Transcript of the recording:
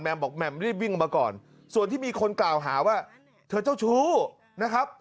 บอกแหม่มรีบวิ่งมาก่อนส่วนที่มีคนกล่าวหาว่าเธอเจ้าชู้นะครับ